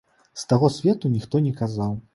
З таго свету ніхто не казаў.